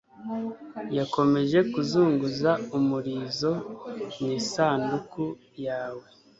yakomeje kuzunguza umurizo mu isanduku yawe